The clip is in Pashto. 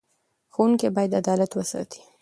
ښوونکي باید عدالت وساتي.